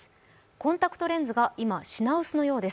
コンタクトレンズが今、品薄のようです。